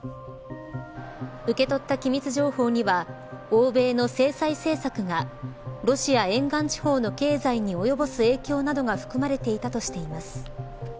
受け取った機密情報には欧米の制裁政策がロシア沿岸地方の経済に及ぼす影響などが含まれていたとしています。